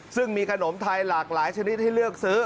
ซึ่งมีขนมไทยหลากหลายชนิดให้เลือกซื้อ